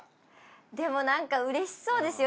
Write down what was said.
でもうれしそうですよ